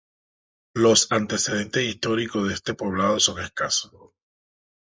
Los antecedentes históricos de este poblado son escasos.